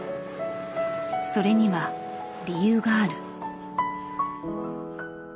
それには理由がある。